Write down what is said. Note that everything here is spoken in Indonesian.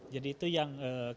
jadi itu yang kita lakukan